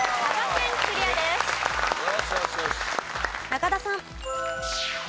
中田さん。